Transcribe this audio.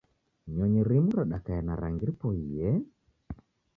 Nyonyi rimu radakaiya na rangi ripoiye